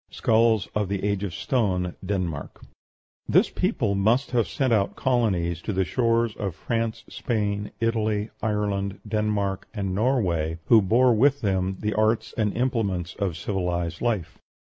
SKULLS OF THE AGE OF STONE, DENMARK This people must have sent out colonies to the shores of France, Spain, Italy, Ireland, Denmark, and Norway, who bore with them the arts and implements of civilized life.